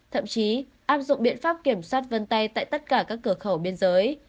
thậm chí áp dụng biện pháp kiểm soát vân tay tại tất cả các cửa khẩu biên giới